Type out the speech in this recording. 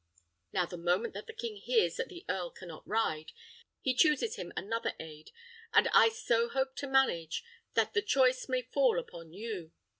Now, the moment that the king hears that the earl cannot ride, he chooses him another aid, and I so hope to manage, that the choice may fall upon you.